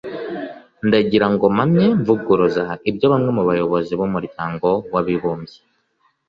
ndagira ngo mpamye mvuguruza ibyo bamwe mu bayobozi b'umuryango w'abibumbye